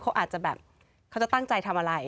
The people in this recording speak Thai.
เขาอาจจะแบบเขาจะตั้งใจทำอะไร